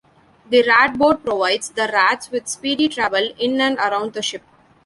The ratboard provides the rats with speedy travel in and around the ship.